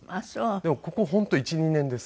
でもここ本当１２年です。